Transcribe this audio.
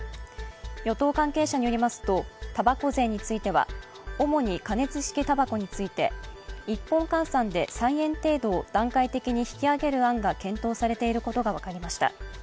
与党関係者によりますとたばこ税については主に加熱式たばこについて３円程度を段階的に引き上げる案が検討されていることが分かりました。